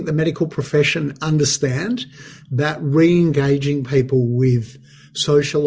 mengerti bahwa menghubungkan orang dengan menghubungkan sosial